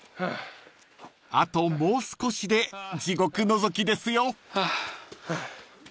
［あともう少しで地獄のぞきですよ］